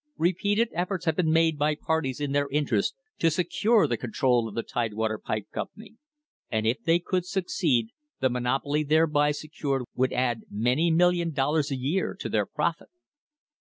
Repeated efforts have been made by parties in their interest to secure the control of the Tidewater Pipe Company, and if they could succeed, the monopoly thereby secured would add many million dollars a year to their profit."